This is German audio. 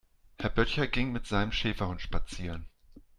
Herr Böttcher ging mit seinem Schäferhund spazieren.